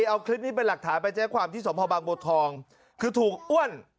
เอาคลิปนี้เป็นหลักฐานไปแจ้งความที่สมภาบางบัวทองคือถูกอ้วน